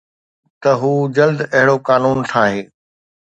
ته هو جلد اهڙو قانون ٺاهي